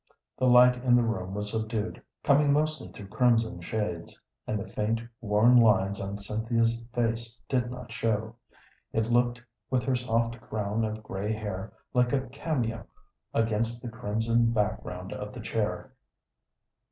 The light in the room was subdued, coming mostly through crimson shades, and the faint, worn lines on Cynthia's face did not show; it looked, with her soft crown of gray hair, like a cameo against the crimson background of the chair.